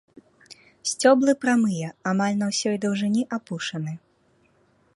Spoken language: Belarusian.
Сцёблы прамыя, амаль на ўсёй даўжыні апушаны.